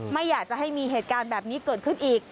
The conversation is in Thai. ไม่อยากจะให้มีเหตุการณ์แบบนี้เกิดขึ้นอีก